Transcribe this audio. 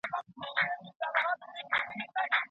د ستوني درد لاملونه څه دي؟